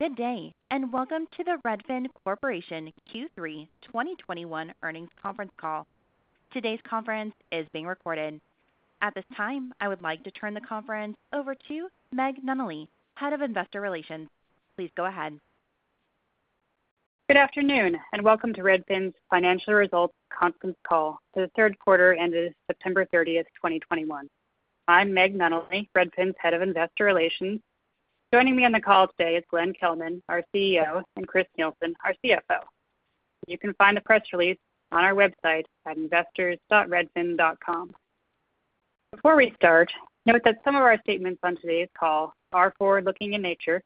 Good day, and welcome to the Redfin Corporation Q3 2021 earnings conference call. Today's conference is being recorded. At this time, I would like to turn the conference over to Meg Nunnally, Head of Investor Relations. Please go ahead. Good afternoon, and welcome to Redfin's financial results conference call for the third quarter ended September 30th, 2021. I'm Meg Nunnally, Redfin's Head of Investor Relations. Joining me on the call today is Glenn Kelman, our CEO, and Chris Nielsen, our CFO. You can find the press release on our website at investors.redfin.com. Before we start, note that some of our statements on today's call are forward-looking in nature.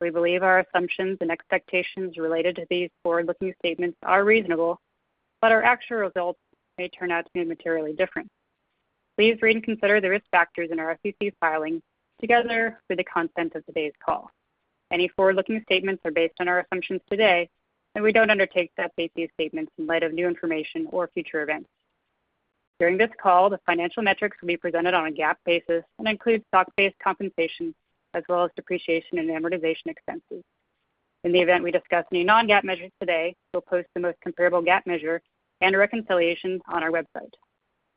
We believe our assumptions and expectations related to these forward-looking statements are reasonable, but our actual results may turn out to be materially different. Please read and consider the Risk Factors in our SEC filings together with the content of today's call. Any forward-looking statements are based on our assumptions today, and we don't undertake to update these statements in light of new information or future events. During this call, the financial metrics will be presented on a GAAP basis and include stock-based compensation as well as depreciation and amortization expenses. In the event we discuss any non-GAAP measures today, we'll post the most comparable GAAP measure and a reconciliation on our website.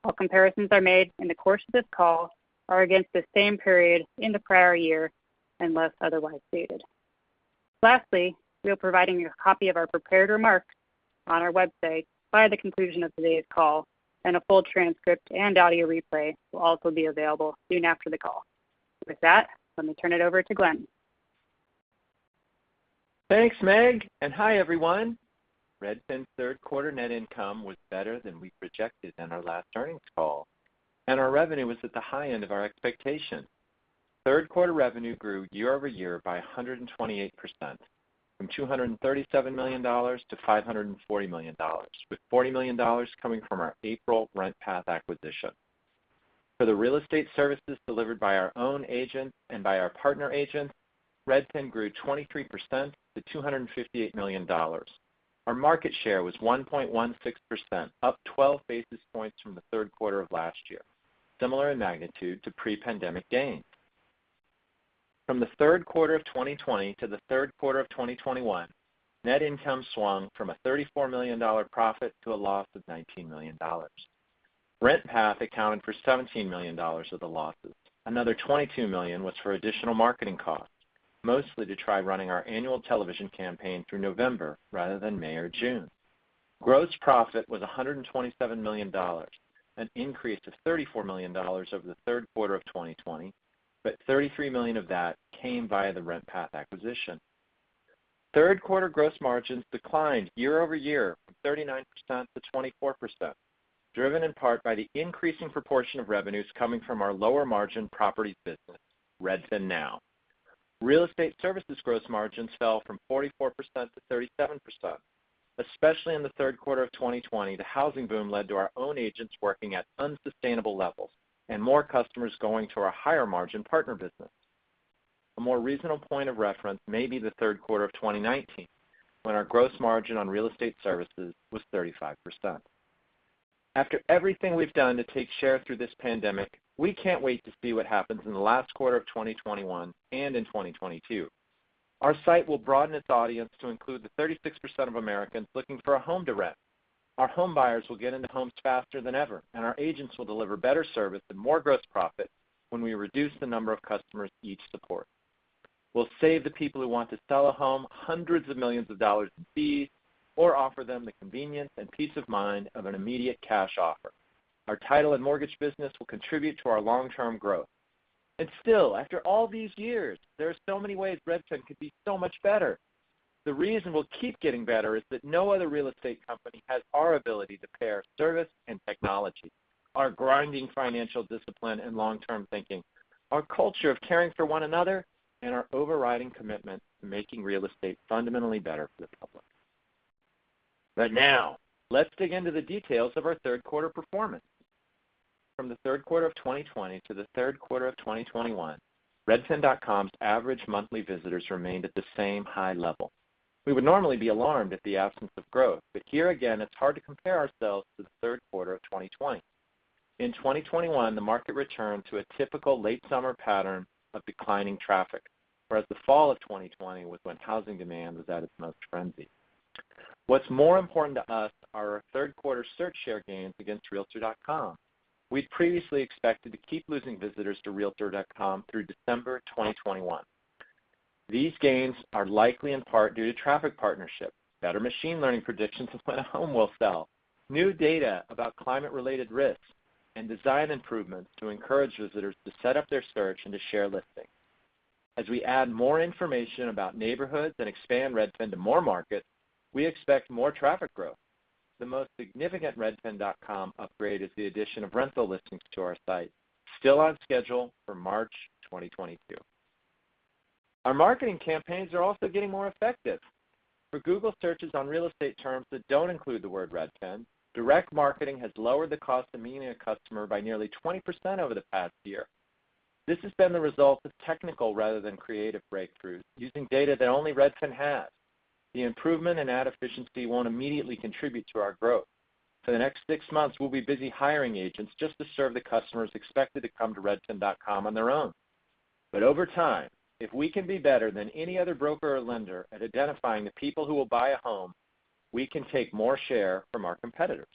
All comparisons made in the course of this call are against the same period in the prior year, unless otherwise stated. Lastly, we are providing you a copy of our prepared remarks on our website by the conclusion of today's call, and a full transcript and audio replay will also be available soon after the call. With that, let me turn it over to Glenn. Thanks, Meg, and hi, everyone. Redfin's third quarter net income was better than we projected in our last earnings call, and our revenue was at the high end of our expectation. Third quarter revenue grew year-over-year by 128% from $237 million-$540 million, with $40 million coming from our April RentPath acquisition. For the Real Estate Services delivered by our own agents and by our partner agents, Redfin grew 23% to $258 million. Our market share was 1.16%, up 12 basis points from the third quarter of last year, similar in magnitude to pre-pandemic gains. From the third quarter of 2020 to the third quarter of 2021, net income swung from a $34 million profit to a loss of $19 million. RentPath accounted for $17 million of the losses. Another $22 million was for additional marketing costs, mostly to try running our annual television campaign through November rather than May or June. Gross profit was $127 million, an increase of $34 million over the third quarter of 2020, but $33 million of that came via the RentPath acquisition. Third quarter gross margins declined year-over-year from 39%-24%, driven in part by the increasing proportion of revenues coming from our lower margin properties business, Redfin Now. Real Estate Services gross margins fell from 44%-37%. Especially in the third quarter of 2020, the housing boom led to our own agents working at unsustainable levels and more customers going to our higher margin partner business. A more reasonable point of reference may be the third quarter of 2019, when our gross margin on Real Estate Services was 35%. After everything we've done to take share through this pandemic, we can't wait to see what happens in the last quarter of 2021 and in 2022. Our site will broaden its audience to include the 36% of Americans looking for a home to rent. Our home buyers will get into homes faster than ever, and our agents will deliver better service and more gross profit when we reduce the number of customers each agent supports. We'll save the people who want to sell a home hundreds of millions of dollars in fees or offer them the convenience and peace of mind of an immediate cash offer. Our Title and Mortgage business will contribute to our long-term growth. Still, after all these years, there are so many ways Redfin could be so much better. The reason we'll keep getting better is that no other real estate company has our ability to pair service and technology, our grinding financial discipline and long-term thinking, our culture of caring for one another, and our overriding commitment to making real estate fundamentally better for the public. Now, let's dig into the details of our third quarter performance. From the third quarter of 2020 to the third quarter of 2021, redfin.com's average monthly visitors remained at the same high level. We would normally be alarmed at the absence of growth, but here again, it's hard to compare ourselves to the third quarter of 2020. In 2021, the market returned to a typical late summer pattern of declining traffic, whereas the fall of 2020 was when housing demand was at its most frenzied. What's more important to us are our third quarter search share gains against realtor.com. We'd previously expected to keep losing visitors to realtor.com through December 2021. These gains are likely in part due to traffic partnerships, better machine learning predictions of when a home will sell, new data about climate-related risks, and design improvements to encourage visitors to set up their search and to share listings. As we add more information about neighborhoods and expand Redfin to more markets, we expect more traffic growth. The most significant redfin.com upgrade is the addition of rental listings to our site, still on schedule for March 2022. Our marketing campaigns are also getting more effective. For Google searches on real estate terms that don't include the word Redfin, direct marketing has lowered the cost of meeting a customer by nearly 20% over the past year. This has been the result of technical rather than creative breakthroughs using data that only Redfin has. The improvement in ad efficiency won't immediately contribute to our growth. For the next six months, we'll be busy hiring agents just to serve the customers expected to come to redfin.com on their own. Over time, if we can be better than any other broker or lender at identifying the people who will buy a home, we can take more share from our competitors.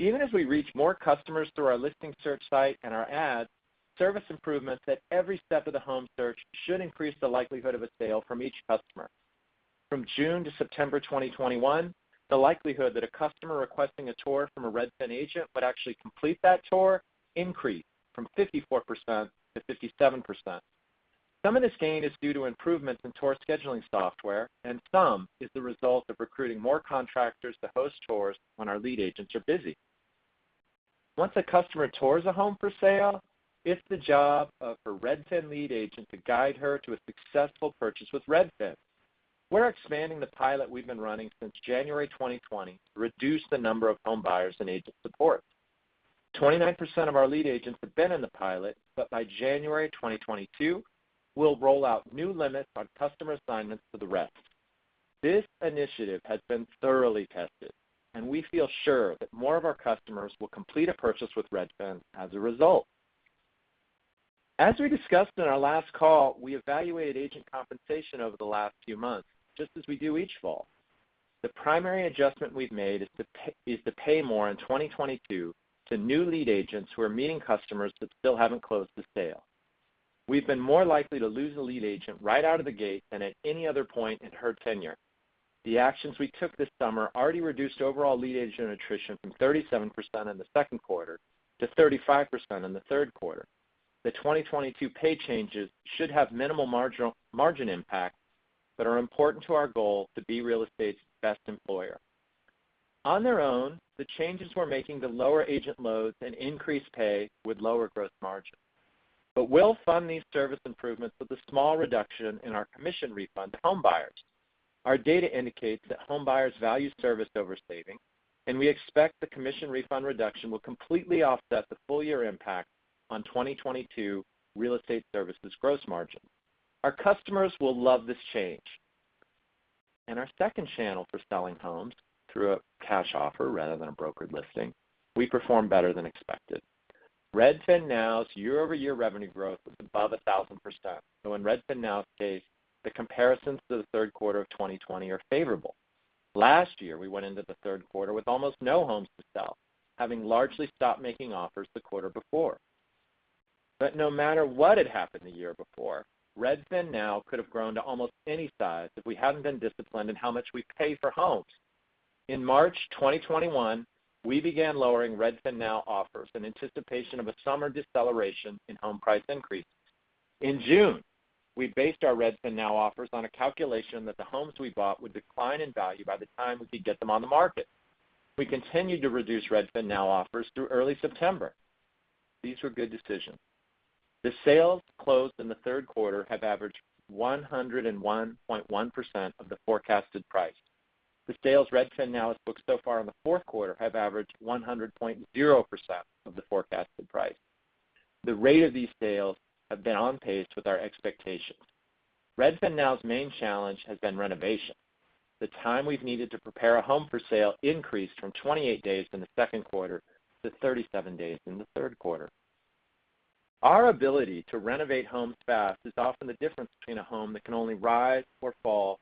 Even as we reach more customers through our listing search site and our ads, service improvements at every step of the home search should increase the likelihood of a sale from each customer. From June to September 2021, the likelihood that a customer requesting a tour from a Redfin agent would actually complete that tour increased from 54%-57%. Some of this gain is due to improvements in tour scheduling software, and some is the result of recruiting more contractors to host tours when our lead agents are busy. Once a customer tours a home for sale, it's the job of a Redfin lead agent to guide her to a successful purchase with Redfin. We're expanding the pilot we've been running since January 2020 to reduce the number of home buyers and agent support. 29% of our lead agents have been in the pilot, but by January 2022, we'll roll out new limits on customer assignments for the rest. This initiative has been thoroughly tested, and we feel sure that more of our customers will complete a purchase with Redfin as a result. As we discussed in our last call, we evaluated agent compensation over the last few months, just as we do each fall. The primary adjustment we've made is to pay more in 2022 to new lead agents who are meeting customers but still haven't closed the sale. We've been more likely to lose a lead agent right out of the gate than at any other point in her tenure. The actions we took this summer already reduced overall lead agent attrition from 37% in the second quarter to 35% in the third quarter. The 2022 pay changes should have minimal margin impact, but are important to our goal to be real estate's best employer. On their own, the changes we're making to lower agent loads and increase pay would lower gross margin. We'll fund these service improvements with a small reduction in our commission refund to home buyers. Our data indicates that home buyers value service over saving, and we expect the commission refund reduction will completely offset the full-year impact on 2022 Real Estate Services gross margin. Our customers will love this change. In our second channel for selling homes, through a cash offer rather than a brokered listing, we performed better than expected. Redfin Now's year-over-year revenue growth was above 1,000%, though in Redfin Now's case, the comparisons to the third quarter of 2020 are favorable. Last year, we went into the third quarter with almost no homes to sell, having largely stopped making offers the quarter before. No matter what had happened the year before, Redfin Now could have grown to almost any size if we hadn't been disciplined in how much we pay for homes. In March 2021, we began lowering Redfin Now offers in anticipation of a summer deceleration in home price increases. In June, we based our Redfin Now offers on a calculation that the homes we bought would decline in value by the time we could get them on the market. We continued to reduce Redfin Now offers through early September. These were good decisions. The sales closed in the third quarter have averaged 101.1% of the forecasted price. The sales Redfin Now has booked so far in the fourth quarter have averaged 100.0% of the forecasted price. The rate of these sales have been on pace with our expectations. Redfin Now's main challenge has been renovation. The time we've needed to prepare a home for sale increased from 28 days in the second quarter to 37 days in the third quarter. Our ability to renovate homes fast is often the difference between a home that can only rise or fall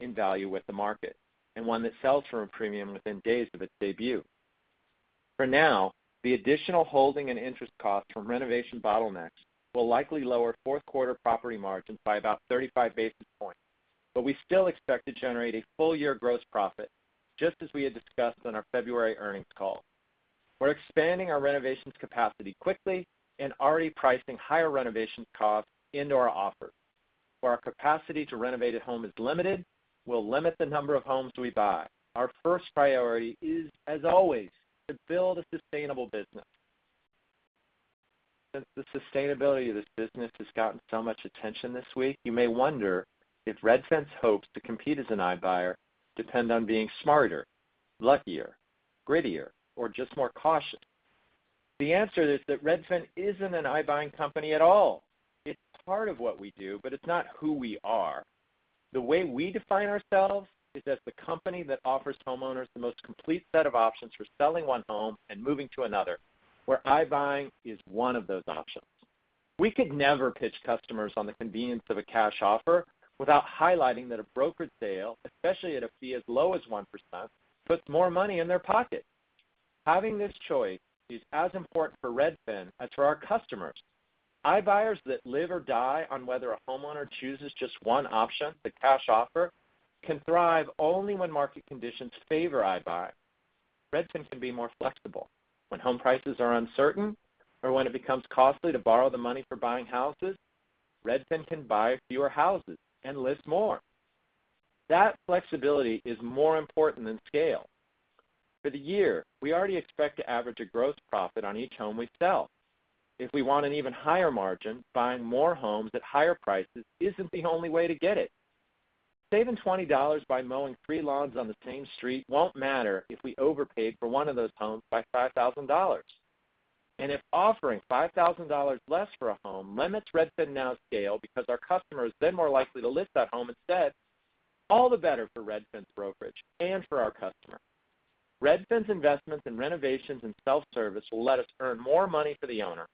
in value with the market and one that sells for a premium within days of its debut. For now, the additional holding and interest costs from renovation bottlenecks will likely lower fourth quarter property margins by about 35 basis points, but we still expect to generate a full year gross profit, just as we had discussed on our February earnings call. We're expanding our renovations capacity quickly and already pricing higher renovations costs into our offers. Where our capacity to renovate a home is limited, we'll limit the number of homes we buy. Our first priority is, as always, to build a sustainable business. Since the sustainability of this business has gotten so much attention this week, you may wonder if Redfin's hopes to compete as an iBuyer depend on being smarter, luckier, grittier, or just more cautious. The answer is that Redfin isn't an iBuying company at all. It's part of what we do, but it's not who we are. The way we define ourselves is as the company that offers homeowners the most complete set of options for selling one home and moving to another, where iBuying is one of those options. We could never pitch customers on the convenience of a cash offer without highlighting that a brokered sale, especially at a fee as low as 1%, puts more money in their pocket. Having this choice is as important for Redfin as for our customers. iBuyers that live or die on whether a homeowner chooses just one option, the cash offer, can thrive only when market conditions favor iBuying. Redfin can be more flexible. When home prices are uncertain or when it becomes costly to borrow the money for buying houses, Redfin can buy fewer houses and list more. That flexibility is more important than scale. For the year, we already expect to average a gross profit on each home we sell. If we want an even higher margin, buying more homes at higher prices isn't the only way to get it. Saving $20 by mowing three lawns on the same street won't matter if we overpaid for one of those homes by $5,000. If offering $5,000 less for a home limits Redfin Now scale because our customer is then more likely to list that home instead, all the better for Redfin's brokerage and for our customer. Redfin's investments in renovations and self-service will let us earn more money for the owner,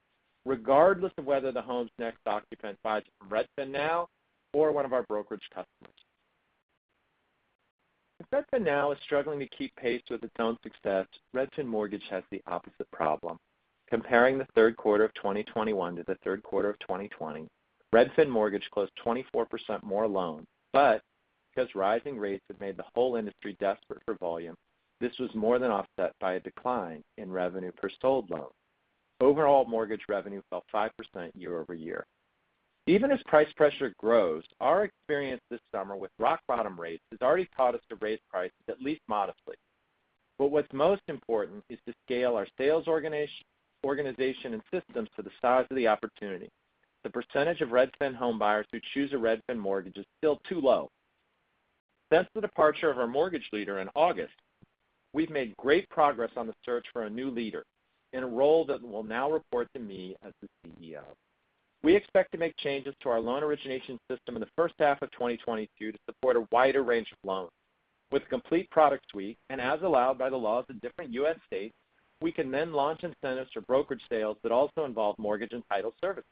regardless of whether the home's next occupant buys it from Redfin Now or one of our brokerage customers. If Redfin Now is struggling to keep pace with its own success, Redfin Mortgage has the opposite problem. Comparing the third quarter of 2021 to the third quarter of 2020, Redfin Mortgage closed 24% more loans, but because rising rates have made the whole industry desperate for volume, this was more than offset by a decline in revenue per sold loan. Overall Mortgage revenue fell 5% year-over-year. Even as price pressure grows, our experience this summer with rock-bottom rates has already taught us to raise prices at least modestly. What's most important is to scale our sales organization and systems to the size of the opportunity. The percentage of Redfin homebuyers who choose a Redfin mortgage is still too low. Since the departure of our Mortgage leader in August, we've made great progress on the search for a new leader in a role that will now report to me as the CEO. We expect to make changes to our loan origination system in the first half of 2022 to support a wider range of loans. With a complete product suite, and as allowed by the laws of different U.S. states, we can then launch incentives for brokerage sales that also involve Mortgage and Title services.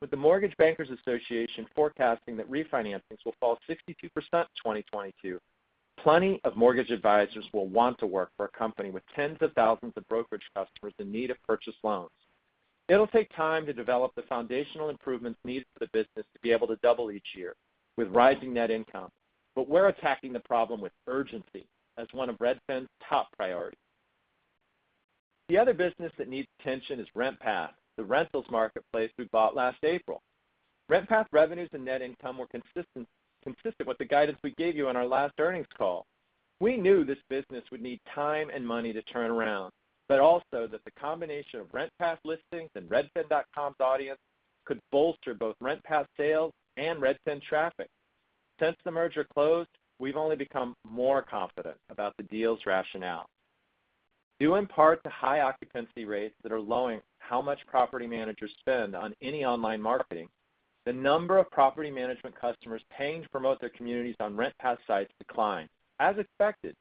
With the Mortgage Bankers Association forecasting that refinancings will fall 62% in 2022, plenty of mortgage advisors will want to work for a company with tens of thousands of brokerage customers in need of purchase loans. It'll take time to develop the foundational improvements needed for the business to be able to double each year with rising net income, but we're attacking the problem with urgency as one of Redfin's top priorities. The other business that needs attention is RentPath, the rentals marketplace we bought last April. RentPath revenues and net income were consistent with the guidance we gave you on our last earnings call. We knew this business would need time and money to turn around, but also that the combination of RentPath listings and redfin.com's audience could bolster both RentPath sales and Redfin traffic. Since the merger closed, we've only become more confident about the deal's rationale. Due in part to high occupancy rates that are lowering how much property managers spend on any online marketing, the number of property management customers paying to promote their communities on RentPath sites declined, as expected.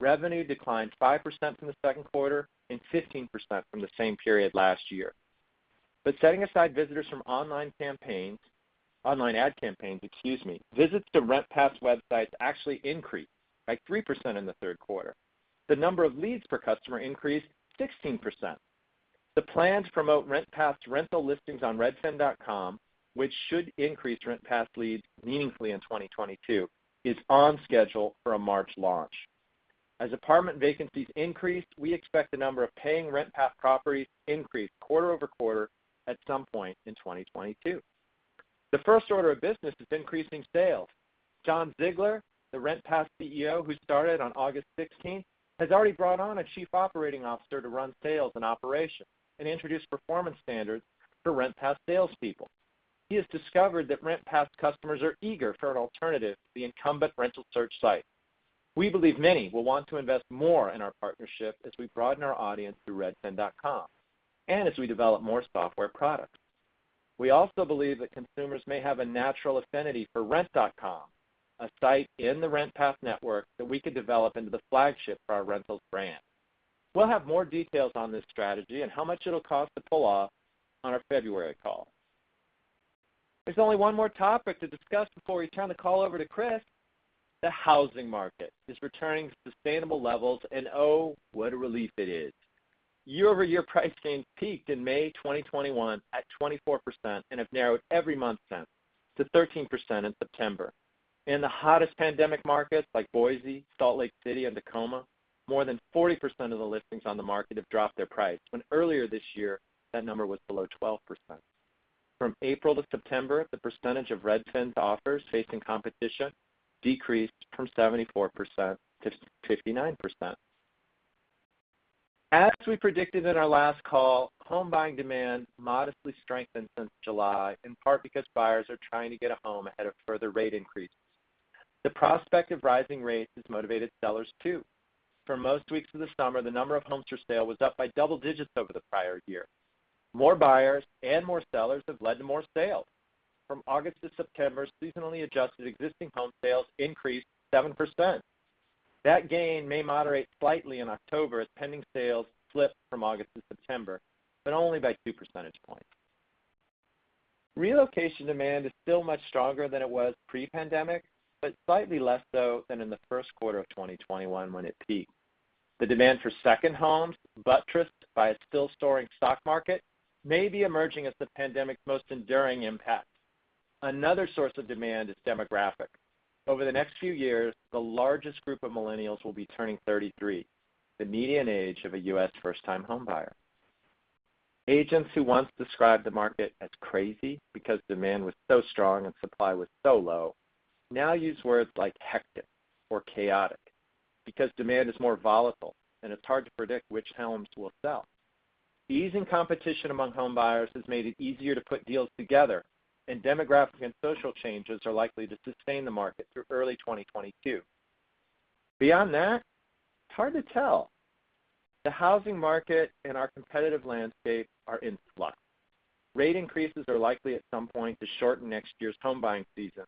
Revenue declined 5% from the second quarter and 15% from the same period last year. Setting aside visitors from online campaigns, online ad campaigns, excuse me, visits to RentPath's websites actually increased by 3% in the third quarter. The number of leads per customer increased 16%. The plan to promote RentPath's rental listings on redfin.com, which should increase RentPath leads meaningfully in 2022, is on schedule for a March launch. As apartment vacancies increase, we expect the number of paying RentPath properties to increase quarter-over-quarter at some point in 2022. The first order of business is increasing sales. Jon Ziglar, the RentPath CEO who started on August 16th, has already brought on a Chief Operating Officer to run sales and operations and introduced performance standards for RentPath salespeople. He has discovered that RentPath's customers are eager for an alternative to the incumbent rental search site. We believe many will want to invest more in our partnership as we broaden our audience through redfin.com and as we develop more software products. We also believe that consumers may have a natural affinity for rent.com, a site in the RentPath network that we could develop into the flagship for our rentals brand. We'll have more details on this strategy and how much it'll cost to pull off on our February call. There's only one more topic to discuss before we turn the call over to Chris. The housing market is returning to sustainable levels, and oh, what a relief it is. Year-over-year price gains peaked in May 2021 at 24% and have narrowed every month since to 13% in September. In the hottest pandemic markets like Boise, Salt Lake City, and Tacoma, more than 40% of the listings on the market have dropped their price, when earlier this year that number was below 12%. From April to September, the percentage of Redfin's offers facing competition decreased from 74% to 59%. As we predicted in our last call, home buying demand modestly strengthened since July, in part because buyers are trying to get a home ahead of further rate increases. The prospect of rising rates has motivated sellers too. For most weeks of the summer, the number of homes for sale was up by double-digits over the prior year. More buyers and more sellers have led to more sales. From August to September, seasonally adjusted existing home sales increased 7%. That gain may moderate slightly in October as pending sales slipped from August to September, but only by 2% points. Relocation demand is still much stronger than it was pre-pandemic, but slightly less so than in the first quarter of 2021 when it peaked. The demand for second homes, buttressed by a still-soaring stock market, may be emerging as the pandemic's most enduring impact. Another source of demand is demographic. Over the next few years, the largest group of millennials will be turning 33, the median age of a U.S. first-time homebuyer. Agents who once described the market as crazy because demand was so strong and supply was so low now use words like hectic or chaotic because demand is more volatile and it's hard to predict which homes will sell. The easing competition among homebuyers has made it easier to put deals together, and demographic and social changes are likely to sustain the market through early 2022. Beyond that, it's hard to tell. The housing market and our competitive landscape are in flux. Rate increases are likely at some point to shorten next year's home buying season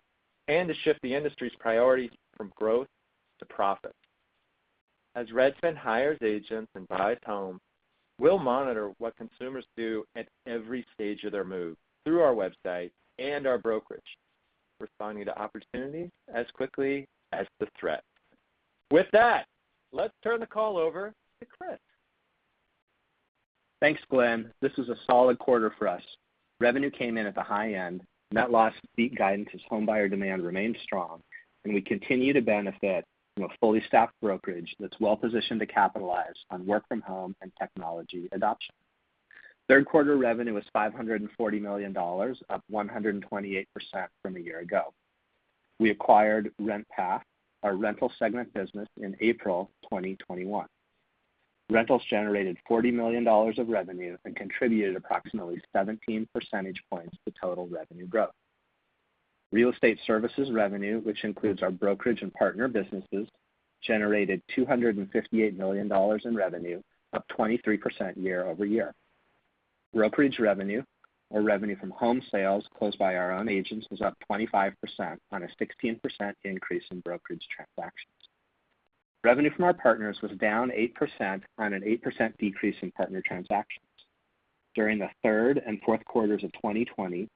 and to shift the industry's priorities from growth to profit. As Redfin hires agents and buys homes, we'll monitor what consumers do at every stage of their move through our website and our brokerage, responding to opportunities as quickly as the threat. With that, let's turn the call over to Chris. Thanks, Glenn. This was a solid quarter for us. Revenue came in at the high end. Net loss beat guidance as homebuyer demand remained strong, and we continue to benefit from a fully staffed brokerage that's well-positioned to capitalize on work from home and technology adoption. Third quarter revenue was $540 million, up 128% from a year ago. We acquired RentPath, our Rental segment business, in April 2021. Rentals generated $40 million of revenue and contributed approximately 17% points to total revenue growth. Real Estate services revenue, which includes our Brokerage and Partner businesses, generated $258 million in revenue, up 23% year-over-year. Brokerage revenue, or revenue from home sales closed by our own agents, was up 25% on a 16% increase in brokerage transactions. Revenue from our partners was down 8% on an 8% decrease in partner transactions. During the third and fourth quarters of 2020,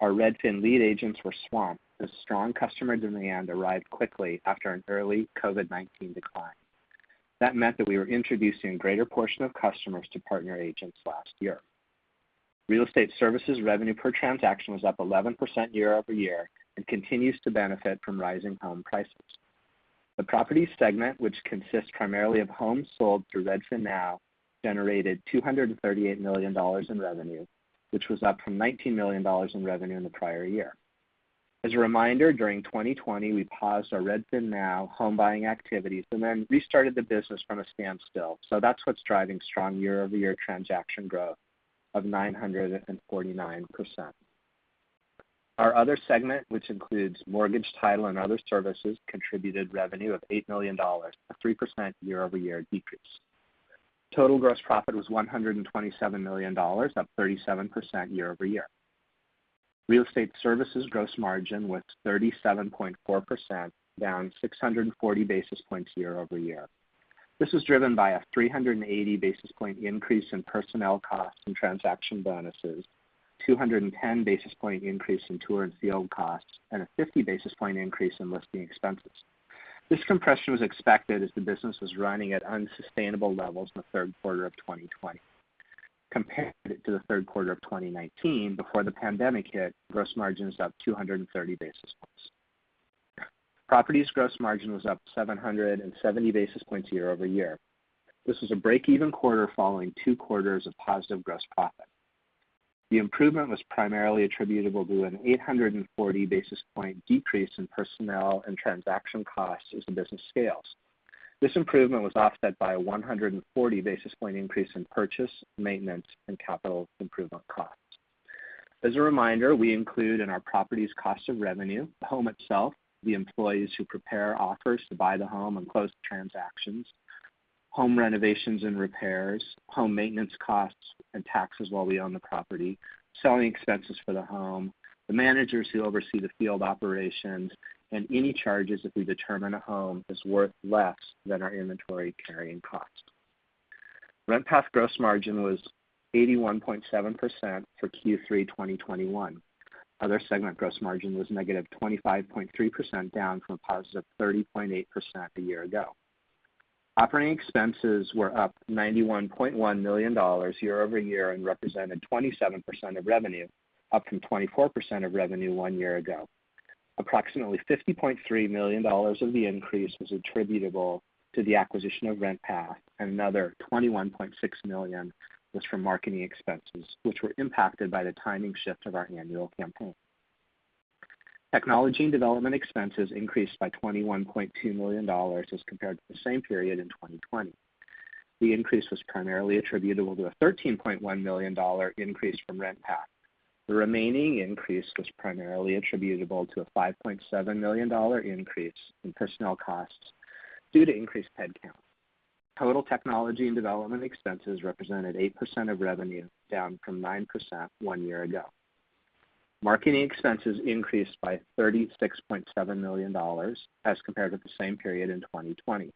our Redfin lead agents were swamped as strong customer demand arrived quickly after an early COVID-19 decline. That meant that we were introducing a greater portion of customers to partner agents last year. Real Estate Services revenue per transaction was up 11% year-over-year and continues to benefit from rising home prices. The Properties segment, which consists primarily of homes sold through Redfin Now, generated $238 million in revenue, which was up from $19 million in revenue in the prior year. As a reminder, during 2020, we paused our Redfin Now home buying activities and then restarted the business from a standstill, so that's what's driving strong year-over-year transaction growth of 949%. Our other segment, which includes Mortgage, Title, and other services, contributed revenue of $8 million, a 3% year-over-year decrease. Total gross profit was $127 million, up 37% year-over-year. Real Estate Services gross margin was 37.4%, down 640 basis points year-over-year. This was driven by a 380 basis point increase in personnel costs and transaction bonuses, 210 basis point increase in tour and field costs, and a 50 basis point increase in listing expenses. This compression was expected as the business was running at unsustainable levels in the third quarter of 2020. Compared to the third quarter of 2019 before the pandemic hit, gross margin is up 230 basis points. Properties gross margin was up 770 basis points year-over-year. This was a break-even quarter following two quarters of positive gross profit. The improvement was primarily attributable to an 840 basis point decrease in personnel and transaction costs as the business scales. This improvement was offset by a 140 basis point increase in purchase, maintenance, and capital improvement costs. As a reminder, we include in our properties cost of revenue, the home itself, the employees who prepare offers to buy the home and close the transactions, home renovations and repairs, home maintenance costs and taxes while we own the property, selling expenses for the home, the managers who oversee the field operations, and any charges if we determine a home is worth less than our inventory carrying cost. RentPath gross margin was 81.7% for Q3 2021. Other segment gross margin was -25.3%, down from a positive 30.8% a year ago. Operating expenses were up $91.1 million year-over-year and represented 27% of revenue, up from 24% of revenue one year ago. Approximately $50.3 million of the increase was attributable to the acquisition of RentPath, and another $21.6 million was from marketing expenses, which were impacted by the timing shift of our annual campaign. Technology and Development expenses increased by $21.2 million as compared to the same period in 2020. The increase was primarily attributable to a $13.1 million increase from RentPath. The remaining increase was primarily attributable to a $5.7 million increase in personnel costs due to increased headcount. Total technology and development expenses represented 8% of revenue, down from 9% one year ago. Marketing expenses increased by $36.7 million as compared to the same period in 2020.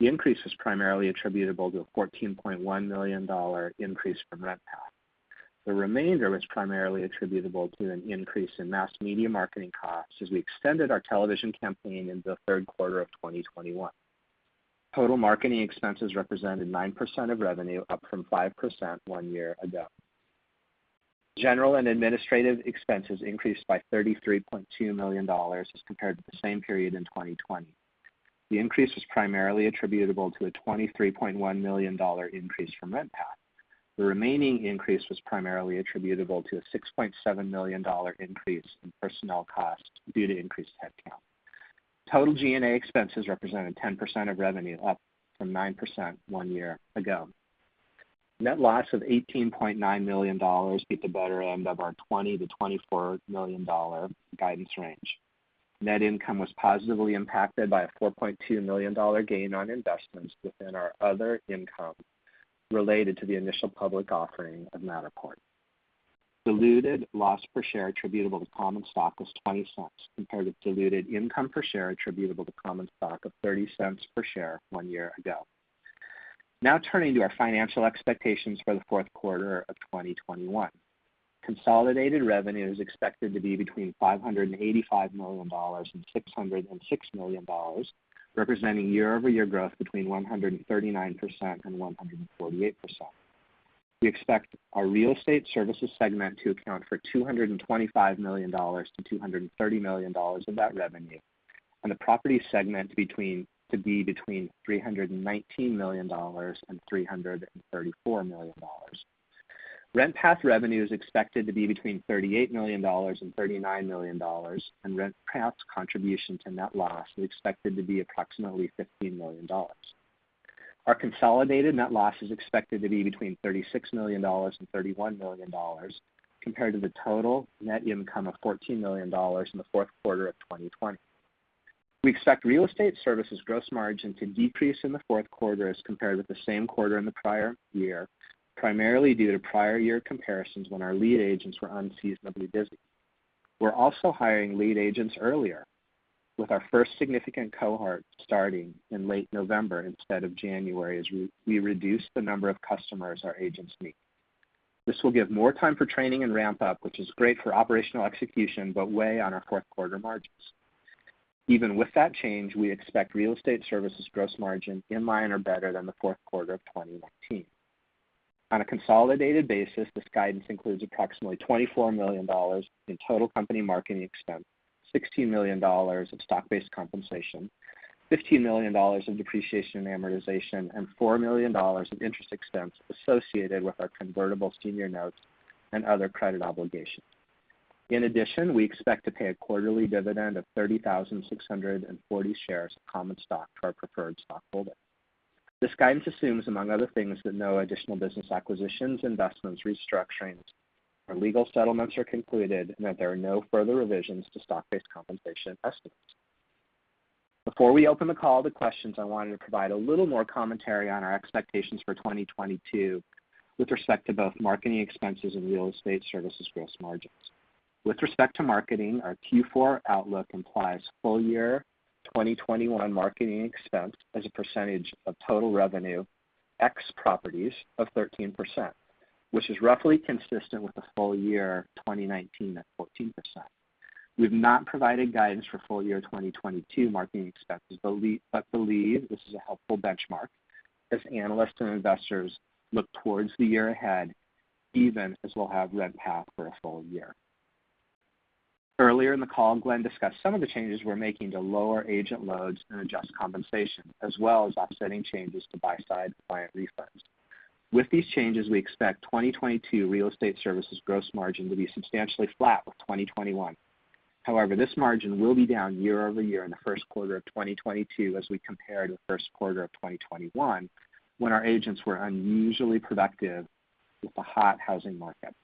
The increase was primarily attributable to a $14.1 million increase from RentPath. The remainder was primarily attributable to an increase in mass media marketing costs as we extended our television campaign into the third quarter of 2021. Total marketing expenses represented 9% of revenue, up from 5% one year ago. General and Administrative expenses increased by $33.2 million as compared to the same period in 2020. The increase was primarily attributable to a $23.1 million increase from RentPath. The remaining increase was primarily attributable to a $6.7 million increase in personnel costs due to increased headcount. Total G&A expenses represented 10% of revenue, up from 9% one year ago. Net loss of $18.9 million beat the better end of our $20 million-$24 million guidance range. Net income was positively impacted by a $4.2 million gain on investments within our other income related to the initial public offering of Matterport. Diluted loss per share attributable to common stock was $0.20, compared with diluted income per share attributable to common stock of $0.30 per share one year ago. Now turning to our financial expectations for the fourth quarter of 2021. Consolidated revenue is expected to be between $585 million-$606 million, representing year-over-year growth between 139% and 148%. We expect our Real Estate Services segment to account for $225 million-$230 million of that revenue, and the Property segment to be between $319 million-$334 million. RentPath revenue is expected to be between $38 million-$39 million, and RentPath's contribution to net loss is expected to be approximately $15 million. Our consolidated net loss is expected to be between $36 million-$31 million, compared to the total net income of $14 million in the fourth quarter of 2020. We expect Real Estate Services gross margin to decrease in the fourth quarter as compared with the same quarter in the prior year, primarily due to prior year comparisons when our lead agents were unseasonably busy. We're also hiring lead agents earlier, with our first significant cohort starting in late November instead of January, as we reduce the number of customers our agents meet. This will give more time for training and ramp up, which is great for operational execution, but weigh on our fourth quarter margins. Even with that change, we expect Real Estate Services gross margin in line or better than the fourth quarter of 2019. On a consolidated basis, this guidance includes approximately $24 million in total company marketing expense, $16 million of stock-based compensation, $15 million in depreciation and amortization, and $4 million in interest expense associated with our convertible senior notes and other credit obligations. In addition, we expect to pay a quarterly dividend of 30,600 shares of common stock to our preferred stockholders. This guidance assumes, among other things, that no additional business acquisitions, investments, restructurings or legal settlements are concluded, and that there are no further revisions to stock-based compensation estimates. Before we open the call to questions, I wanted to provide a little more commentary on our expectations for 2022 with respect to both marketing expenses and Real Estate Services gross margins. With respect to marketing, our Q4 outlook implies full-year 2021 marketing expense as a percentage of total revenue, ex properties, of 13%, which is roughly consistent with the full-year 2019 at 14%. We've not provided guidance for full-year 2022 marketing expenses, but believe this is a helpful benchmark as analysts and investors look towards the year ahead, even as we'll have RentPath for a full-year. Earlier in the call, Glenn discussed some of the changes we're making to lower agent loads and adjust compensation, as well as offsetting changes to buy-side client refunds. With these changes, we expect 2022 Real Estate Services gross margin to be substantially flat with 2021. However, this margin will be down year-over-year in the first quarter of 2022 as we compare to the first quarter of 2021, when our agents were unusually productive with the hot housing market.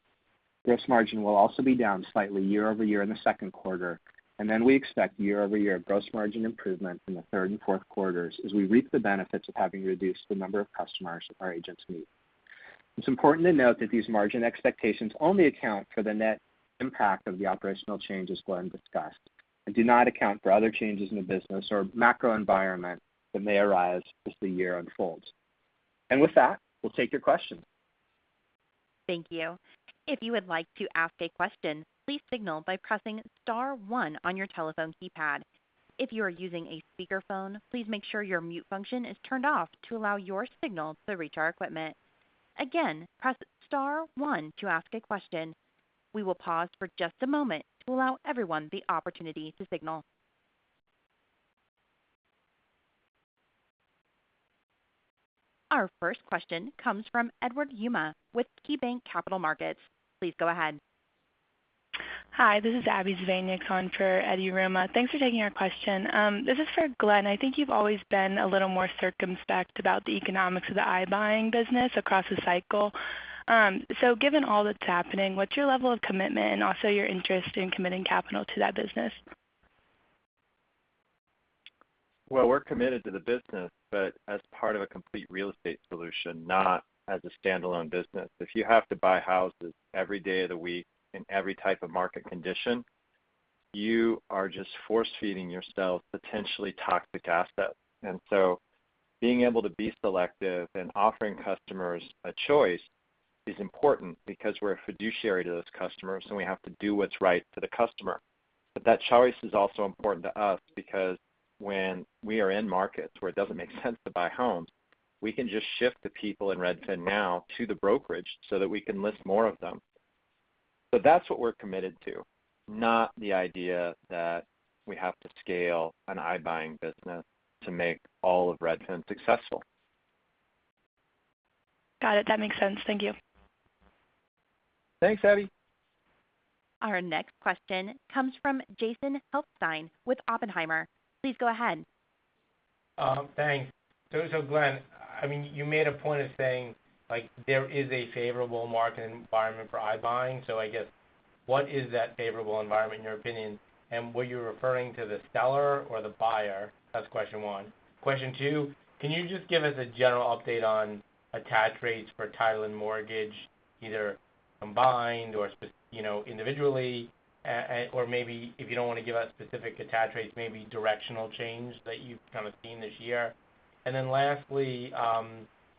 Gross margin will also be down slightly year-over-year in the second quarter, and then we expect year-over-year gross margin improvement in the third and fourth quarters as we reap the benefits of having reduced the number of customers our agents meet. It's important to note that these margin expectations only account for the net impact of the operational changes Glenn discussed, and do not account for other changes in the business or macro environment that may arise as the year unfolds. With that, we'll take your questions. Thank you. If you would like to ask a question, please signal by pressing Star one on your telephone keypad. If you are using a speakerphone, please make sure your mute function is turned off to allow your signal to reach our equipment. Again, press Star one to ask a question. We will pause for just a moment to allow everyone the opportunity to signal. Our first question comes from Edward Yruma with KeyBanc Capital Markets. Please go ahead. Hi, this is Abby Zvejnieks for Edward Yruma. Thanks for taking our question. This is for Glenn. I think you've always been a little more circumspect about the economics of the iBuying business across the cycle. Given all that's happening, what's your level of commitment and also your interest in committing capital to that business? Well, we're committed to the business, but as part of a complete real estate solution, not as a standalone business. If you have to buy houses every day of the week in every type of market condition, you are just force-feeding yourself potentially toxic assets. Being able to be selective and offering customers a choice is important because we're a fiduciary to those customers, and we have to do what's right for the customer. That choice is also important to us because when we are in markets where it doesn't make sense to buy homes, we can just shift the people in Redfin Now to the brokerage so that we can list more of them. That's what we're committed to, not the idea that we have to scale an iBuying business to make all of Redfin successful. Got it. That makes sense. Thank you. Thanks, Abby. Our next question comes from Jason Helfstein with Oppenheimer. Please go ahead. Thanks. Glenn, I mean, you made a point of saying, like, there is a favorable market environment for iBuying. What is that favorable environment in your opinion? And were you referring to the seller or the buyer? That's question one. Question two, can you just give us a general update on attach rates for Title and Mortgage, either combined or, you know, individually? Or maybe if you don't want to give us specific attach rates, maybe directional change that you've kind of seen this year. Lastly,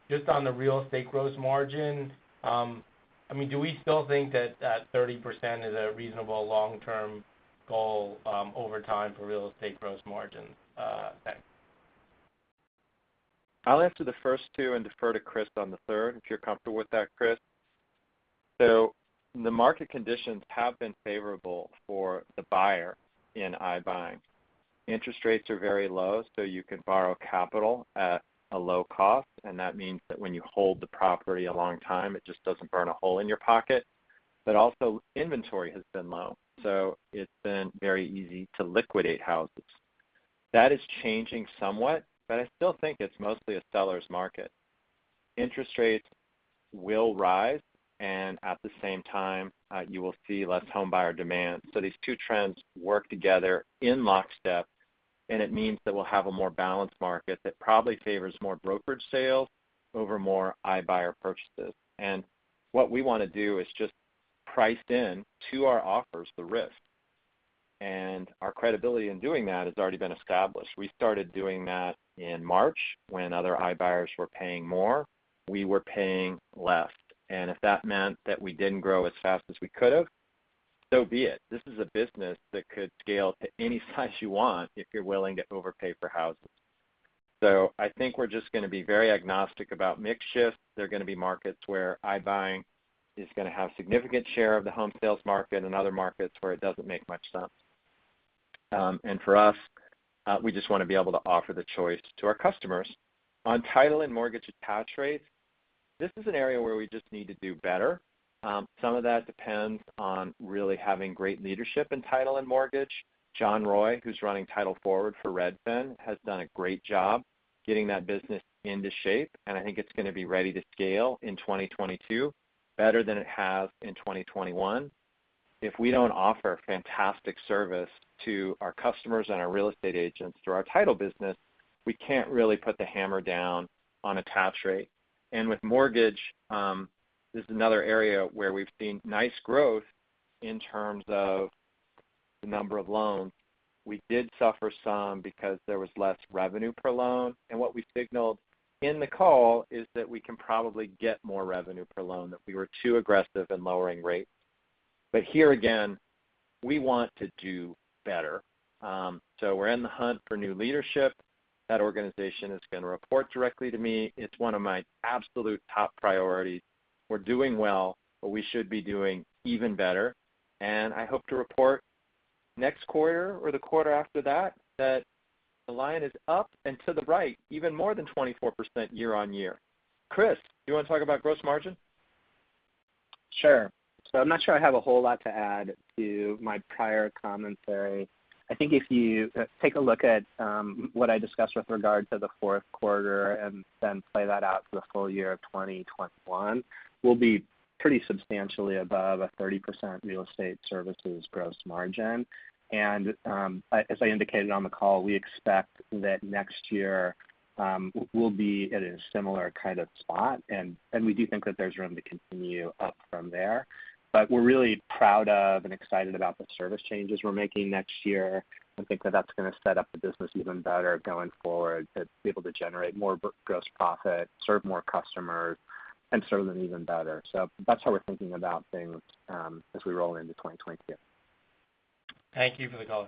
just on the Real Estate gross margin, I mean, do we still think that 30% is a reasonable long-term goal over time for Real Estate gross margin? Thanks. I'll answer the first two and defer to Chris on the third, if you're comfortable with that, Chris. The market conditions have been favorable for the buyer in iBuying. Interest rates are very low, so you can borrow capital at a low cost, and that means that when you hold the property a long time, it just doesn't burn a hole in your pocket. Inventory has been low, so it's been very easy to liquidate houses. That is changing somewhat, but I still think it's mostly a seller's market. Interest rates will rise, and at the same time, you will see less home buyer demand. These two trends work together in lockstep, and it means that we'll have a more balanced market that probably favors more brokerage sales over more iBuyer purchases. What we wanna do is just price in to our offers the risk. Our credibility in doing that has already been established. We started doing that in March when other iBuyers were paying more. We were paying less. If that meant that we didn't grow as fast as we could have, so be it. This is a business that could scale to any size you want if you're willing to overpay for houses. I think we're just gonna be very agnostic about mix shift. There are gonna be markets where iBuying is gonna have significant share of the home sales market and other markets where it doesn't make much sense. For us, we just wanna be able to offer the choice to our customers. On Title and Mortgage attach rates, this is an area where we just need to do better. Some of that depends on really having great leadership in Title and Mortgage. John Roy, who's running Title Forward for Redfin, has done a great job getting that business into shape, and I think it's gonna be ready to scale in 2022 better than it has in 2021. If we don't offer fantastic service to our customers and our real estate agents through our Title business, we can't really put the hammer down on attach rate. With Mortgage, this is another area where we've seen nice growth in terms of the number of loans. We did suffer some because there was less revenue per loan, and what we signaled in the call is that we can probably get more revenue per loan, that we were too aggressive in lowering rates. Here again, we want to do better. We're in the hunt for new leadership. That organization is gonna report directly to me. It's one of my absolute top priorities. We're doing well, but we should be doing even better. I hope to report next quarter or the quarter after that the line is up and to the right, even more than 24% year-over-year. Chris, do you wanna talk about gross margin? Sure. I'm not sure I have a whole lot to add to my prior commentary. I think if you take a look at what I discussed with regard to the fourth quarter and then play that out for the full-year of 2021, we'll be pretty substantially above a 30% Real Estate Services gross margin. As I indicated on the call, we expect that next year we'll be at a similar kind of spot. We do think that there's room to continue up from there. We're really proud of and excited about the service changes we're making next year and think that that's gonna set up the business even better going forward to be able to generate more gross profit, serve more customers, and serve them even better. That's how we're thinking about things as we roll into 2022. Thank you for the color.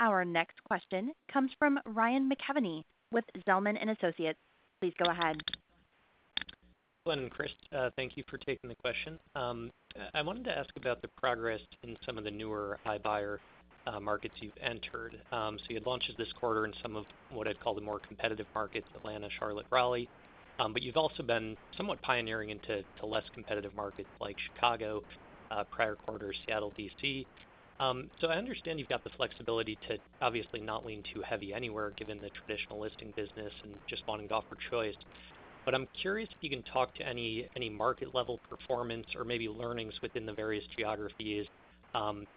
Our next question comes from Ryan McKeveny with Zelman & Associates. Please go ahead. Glenn and Chris, thank you for taking the question. I wanted to ask about the progress in some of the newer iBuyer markets you've entered. You had launches this quarter in some of what I'd call the more competitive markets, Atlanta, Charlotte, Raleigh. You've also been somewhat pioneering into less competitive markets like Chicago prior quarters, Seattle, D.C. I understand you've got the flexibility to obviously not lean too heavy anywhere given the traditional listing business and just wanting to offer choice. I'm curious if you can talk to any market-level performance or maybe learnings within the various geographies,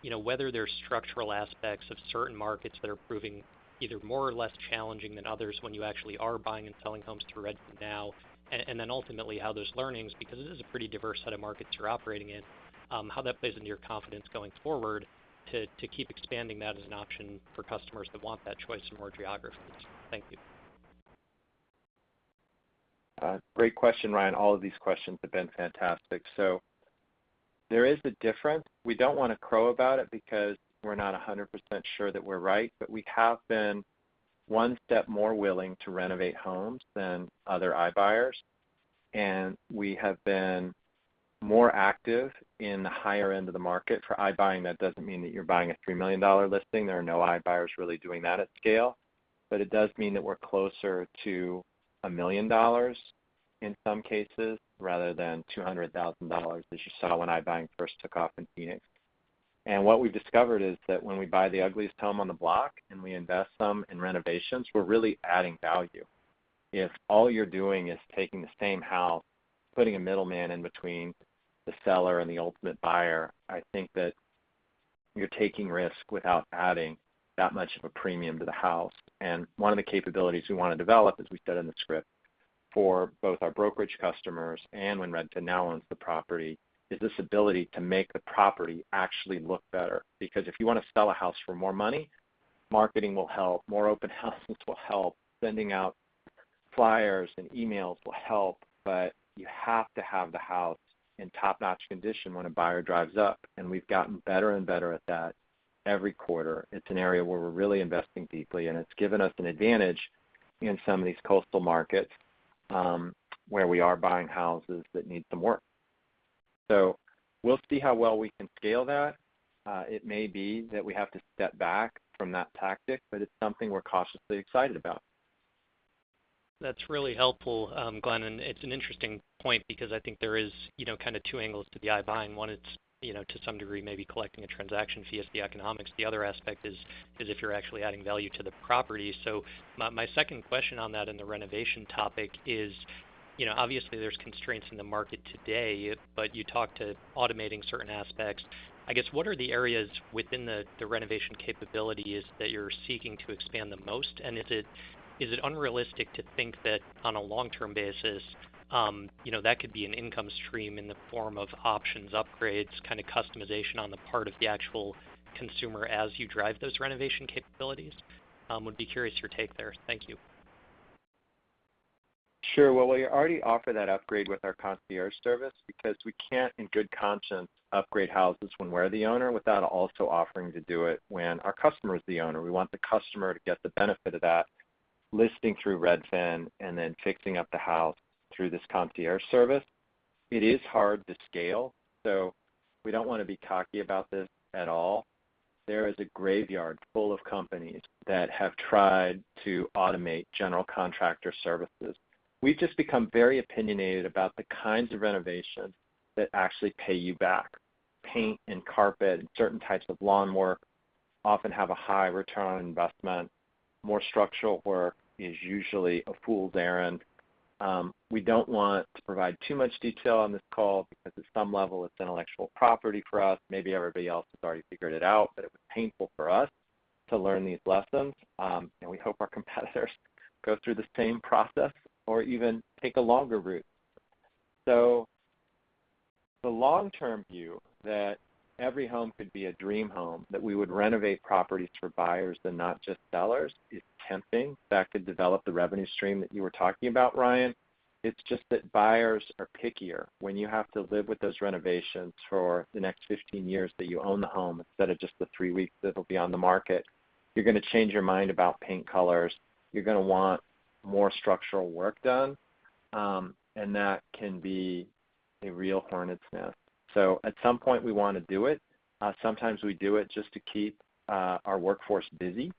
you know, whether there's structural aspects of certain markets that are proving either more or less challenging than others when you actually are buying and selling homes through Redfin Now, and then ultimately how those learnings, because this is a pretty diverse set of markets you're operating in, how that plays into your confidence going forward to keep expanding that as an option for customers that want that choice in more geographies. Thank you. Great question, Ryan. All of these questions have been fantastic. There is a difference. We don't wanna crow about it because we're not 100% sure that we're right, but we have been one step more willing to renovate homes than other iBuyers. We have been more active in the higher end of the market. For iBuying, that doesn't mean that you're buying a $3 million listing. There are no iBuyers really doing that at scale. It does mean that we're closer to $1 million in some cases rather than $200,000 as you saw when iBuying first took off in Phoenix. What we've discovered is that when we buy the ugliest home on the block and we invest some in renovations, we're really adding value. If all you're doing is taking the same house, putting a middleman in between the seller and the ultimate buyer, I think that you're taking risk without adding that much of a premium to the house. One of the capabilities we want to develop, as we said in the script, for both our Brokerage customers and when Redfin Now owns the property, is this ability to make the property actually look better. Because if you want to sell a house for more money, marketing will help, more open houses will help, sending out flyers and emails will help, but you have to have the house in top-notch condition when a buyer drives up. We've gotten better and better at that every quarter. It's an area where we're really investing deeply, and it's given us an advantage in some of these coastal markets, where we are buying houses that need some work. We'll see how well we can scale that. It may be that we have to step back from that tactic, but it's something we're cautiously excited about. That's really helpful, Glenn, and it's an interesting point because I think there is, you know, kind of two angles to the iBuying. One, it's, you know, to some degree, maybe collecting a transaction fee as the economics. The other aspect is if you're actually adding value to the property. My second question on that and the renovation topic is, you know, obviously, there's constraints in the market today, but you talked about automating certain aspects. I guess what are the areas within the renovation capabilities that you're seeking to expand the most? And is it unrealistic to think that on a long-term basis, you know, that could be an income stream in the form of options, upgrades, kind of customization on the part of the actual consumer as you drive those renovation capabilities? I would be curious for your take there. Thank you. Sure. Well, we already offer that upgrade with our concierge service because we can't in good conscience upgrade houses when we're the owner without also offering to do it when our customer is the owner. We want the customer to get the benefit of that listing through Redfin and then fixing up the house through this concierge service. It is hard to scale, so we don't want to be cocky about this at all. There is a graveyard full of companies that have tried to automate general contractor services. We've just become very opinionated about the kinds of renovations that actually pay you back. Paint and carpet and certain types of lawn work often have a high return on investment. More structural work is usually a fool's errand. We don't want to provide too much detail on this call because at some level it's intellectual property for us. Maybe everybody else has already figured it out, but it was painful for us to learn these lessons. We hope our competitors go through the same process or even take a longer route. The long-term view that every home could be a dream home, that we would renovate properties for buyers and not just sellers is tempting. That could develop the revenue stream that you were talking about, Ryan. It's just that buyers are pickier. When you have to live with those renovations for the next 15 years that you own the home instead of just the three weeks it'll be on the market, you're going to change your mind about paint colors. You're going to want more structural work done, and that can be a real hornet's nest. At some point, we want to do it. Sometimes we do it just to keep our workforce busy,